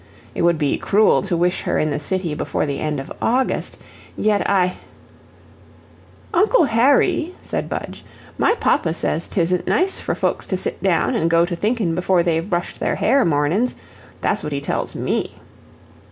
It would be cruel to wish her in the city before the end of August, yet I "Uncle Harry," said Budge, "my papa says 'tisn't nice for folks to sit down and go to thinkin' before they've brushed their hair mornin's that's what he tells ME."